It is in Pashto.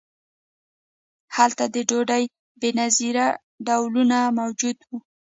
هلته د ډوډۍ بې نظیره ډولونه موجود وو.